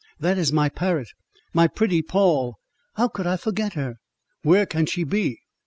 "That is my parrot—my pretty Poll! How could I forget her! Where can she be?"